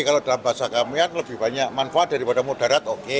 kalau dalam bahasa kami kan lebih banyak manfaat daripada mudarat oke